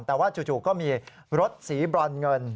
แต่ว่าจู่ก็มีรถสีบรอนเงิน